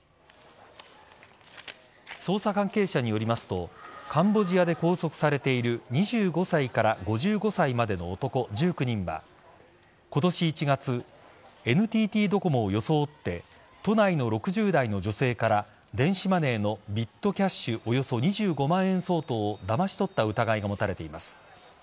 捜査関係者によりますとカンボジアで拘束されている２５歳から５５歳までの男１９人は今年１月、ＮＴＴドコモを装って都内の６０代の女性から電子マネーのビットキャッシュおよそ２５万円相当をだまし取った疑いが持たれています。